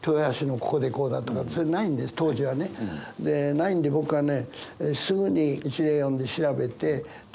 ないんで僕はね